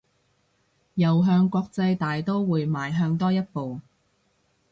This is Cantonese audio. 又向國際大刀會邁向多一步